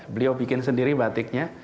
beliau membuat sendiri batiknya